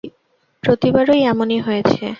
প্রতিবারই এমনি হয়েছে।